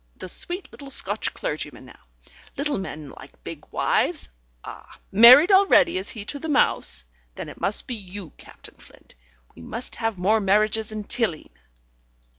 The sweet little Scotch clergyman now; little men like big wives. Ah! Married already is he to the mouse? Then it must be you, Captain Flint. We must have more marriages in Tilling."